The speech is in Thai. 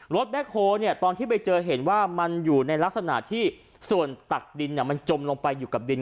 แบ็คโฮตอนที่ไปเจอเห็นว่ามันอยู่ในลักษณะที่ส่วนตักดินมันจมลงไปอยู่กับดิน